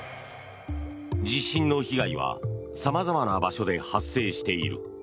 地震の被害は様々な場所で発生している。